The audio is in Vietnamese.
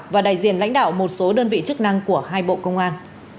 và đại diện lãnh đạo một số đơn vị chức năng của hai bộ công an